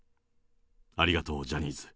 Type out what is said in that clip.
ありがとう、ジャニーズ。